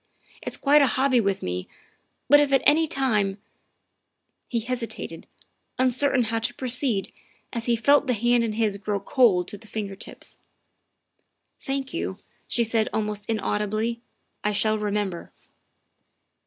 It's quite a hobby with me, but if at any time " THE SECRETARY OF STATE 257 He hesitated, uncertain how to proceed, as he felt the hand in his grow cold to the finger tips. " Thank you," she said almost inaudibly, " I shall remember.